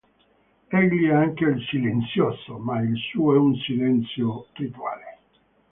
Egli è anche "il silenzioso" ma il suo è un silenzio rituale.